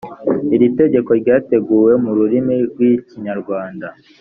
iri tegeko ryateguwe mu rurimi rw’ikinyarwanda